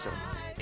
え！